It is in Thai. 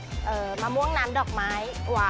ไม่รอชาติเดี๋ยวเราลงไปพิสูจน์ความอร่อยกันครับ